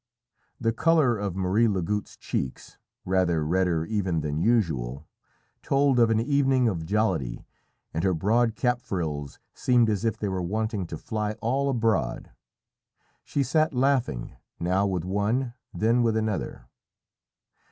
The colour of Marie Lagoutte's cheeks, rather redder even than usual, told of an evening of jollity, and her broad cap frills seemed as if they were wanting to fly all abroad; she sat laughing, now with one, then with another.